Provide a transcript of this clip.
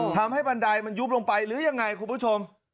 บันไดมันยุบลงไปหรือยังไงคุณผู้ชม